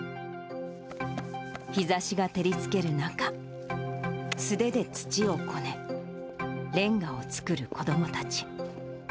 日ざしが照りつける中、素手で土をこね、れんがを作る子どもたち。